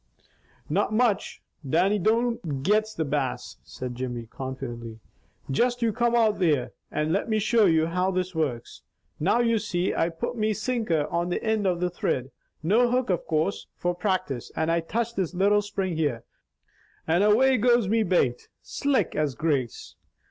"Not much, Dannie don't 'gets the Bass,'" said Jimmy confidently. "Just you come out here and let me show you how this works. Now you see, I put me sinker on the ind of the thrid, no hook of course, for practice, and I touch this little spring here, and give me little rod a whip and away goes me bait, slick as grase.